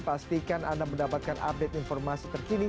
pastikan anda mendapatkan update informasi terkini